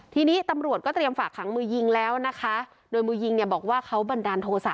ทีนี้ตำรวจก็เตรียมฝากขังมือยิงแล้วนะคะโดยมือยิงเนี่ยบอกว่าเขาบันดาลโทษะ